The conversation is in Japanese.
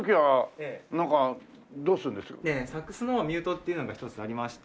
サックスのミュートっていうのが１つありまして。